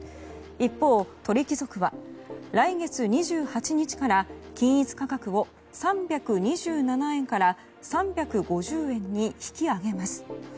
一方、鳥貴族は来月２８日から均一価格を３２７円から３５０円に引き上げます。